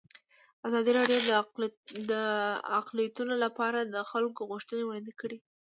ازادي راډیو د اقلیتونه لپاره د خلکو غوښتنې وړاندې کړي.